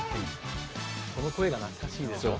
この声が懐かしいでしょう？